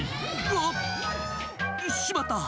ああしまった！